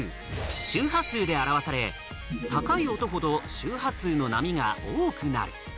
周波数で表され、高い音ほど周波数の波が多くなる。